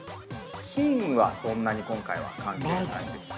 ◆菌は、そんなに今回は関係ないですね。